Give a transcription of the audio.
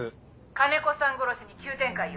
「金子さん殺しに急展開よ」